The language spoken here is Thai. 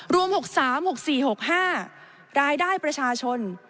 รวม๖๓๖๔๖๕รายได้ประชาชน